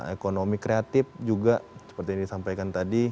ekonomi kreatif juga seperti yang disampaikan tadi